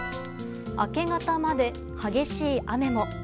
明け方まで、激しい雨も。